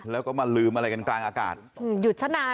แล้วก็มาลืมอะไรกันกลางอากาศ